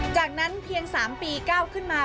จากนั้นเพียง๓ปีก้าวขึ้นมา